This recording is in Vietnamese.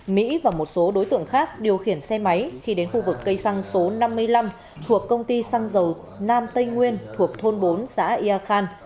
mỹ và một số đối tượng khác điều khiển xe máy khi đến khu vực cây xăng số năm mươi năm thuộc công ty xăng dầu nam tây nguyên thuộc thôn bốn xã yà khan